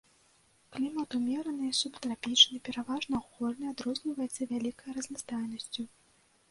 Клімат умераны і субтрапічны, пераважна горны, адрозніваецца вялікай разнастайнасцю.